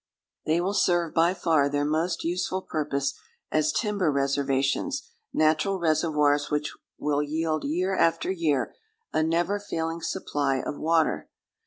They will serve by far their most useful purpose as timber reservations, natural reservoirs which will yield year after year a never failing supply of water.